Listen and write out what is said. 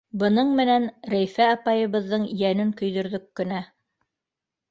Бының менән Рәйфә апайыбыҙҙың йәнен көйҙөрҙөк кенә.